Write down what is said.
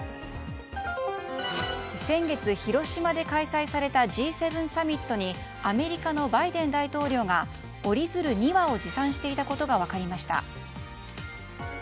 先月広島で開催されたＧ７サミットにアメリカのバイデン大統領が折り鶴２羽を持参していたことが分かりました。